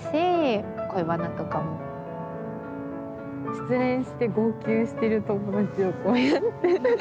失恋して号泣してる友達をこうやって。